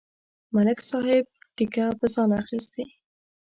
ملک صاحب ټېکه په ځان اخستې.